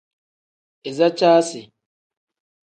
Iza caasi.